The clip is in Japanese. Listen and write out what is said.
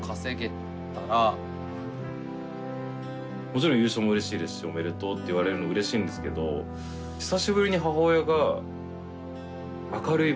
もちろん優勝もうれしいですし「おめでとう」って言われるのもうれしいんですけどうれしかったですね。